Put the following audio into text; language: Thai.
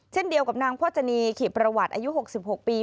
เช่นเดียวกับนางพจนีขี่ประวัติอายุ๖๖ปี